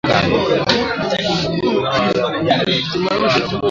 Njia ya kukabiliana na ugonjwa wa kuoza kwato ni kuondoa samadi kwenye maboma